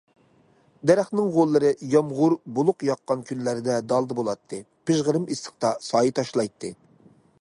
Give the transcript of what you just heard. دەرەخنىڭ غوللىرى يامغۇر بولۇق ياغقان كۈنلەردە دالدا بولاتتى، پىژغىرىم ئىسسىقتا سايە تاشلايتتى.